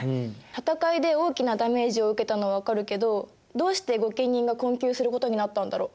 戦いで大きなダメージを受けたのは分かるけどどうして御家人が困窮することになったんだろう。